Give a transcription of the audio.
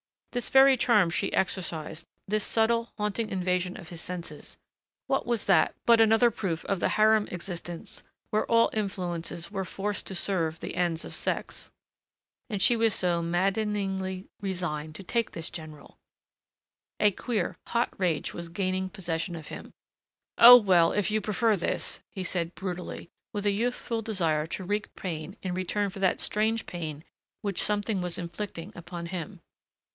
This very charm she exercised, this subtle, haunting invasion of his senses, what was that but another proof of the harem existence where all influences were forced to serve the ends of sex ... And she was so maddeningly resigned to taking this general! A queer hot rage was gaining possession of him. "Oh, well, if you prefer this," he said brutally, with a youthful desire to wreak pain in return for that strange pain which something was inflicting upon him.